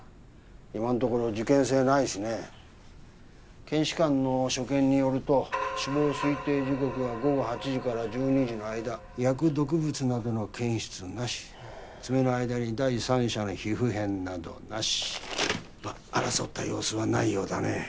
今んところ事件性ないしね検視官の所見によると死亡推定時刻は午後８時から１２時の間薬毒物などの検出なし爪の間に第三者の皮膚片などなしまっ争った様子はないようだね